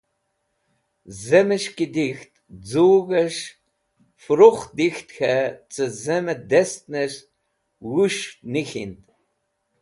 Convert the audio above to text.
Zemẽs̃h ki dik̃ht z̃hug̃hẽs̃h fẽrukh dik̃ht khẽ cẽ zẽmẽ distnẽs̃h wũs̃h nig̃hind.